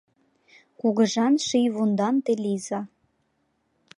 Кугыжан шийвундан те лийза